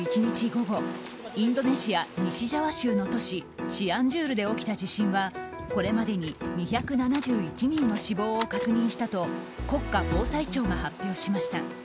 午後インドネシア西ジャワ州の都市チアンジュールで起きた地震はこれまでに２７１人の死亡を確認したと国家防災庁が発表しました。